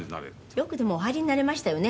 よくお入りになれましたよね。